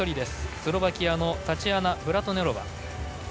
スロバキアのタチアナ・ブラトネロバ